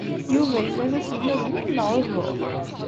Yuba yella d aselmad-nnem, neɣ uhu?